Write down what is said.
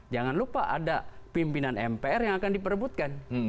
jangan lupa ada pimpinan mpr yang akan diperbutkan